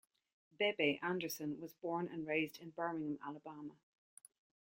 "Bebe" Anderson was born and raised in Birmingham, Alabama.